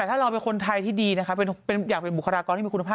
แต่ถ้าเราเป็นคนไทยที่ดีนะคะอยากเป็นบุคลากรที่มีคุณภาพ